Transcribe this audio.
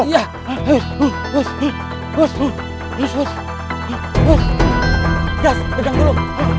gas pedang dulu